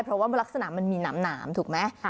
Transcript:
เพราะว่ารักษณะมันมีหนามถูกไหม